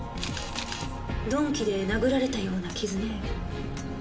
鈍器で殴られたような傷ね。